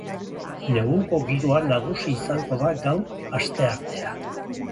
Neguko giroa nagusi izango da gaur, asteartea.